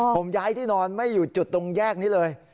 ผมย้ายที่นอนไม่อยู่จุดตรงแยกนี้เลย